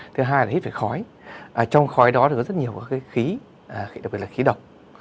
thứ hai là hít phải khói trong khói đó có rất nhiều khí đặc biệt là khí độc